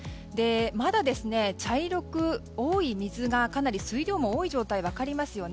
まだ茶色く水がかなり水量も多い状態分かりますよね。